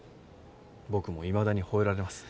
僕もいまだに吠えられます。